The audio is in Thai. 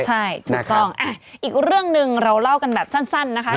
ใช่ถูกต้องอีกเรื่องหนึ่งเราเล่ากันแบบสั้นนะคะ